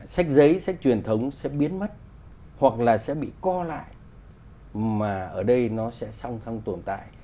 sách giấy sách truyền thống sẽ biến mất hoặc là sẽ bị co lại mà ở đây nó sẽ song song tồn tại